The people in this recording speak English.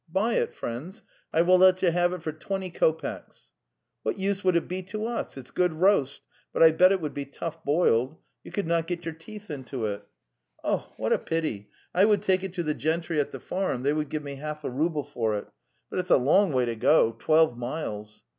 Buy it, friends! I will let you have it for twenty kopecks."' "What use would it be to us? It's good roast, but I bet it would be tough boiled; you could not Sct your teethsintowe. i015) "Oh, what a pity! I would take it to the gen try at the farm; they would give me half a rouble for it. But it's a long way to go — twelve miles!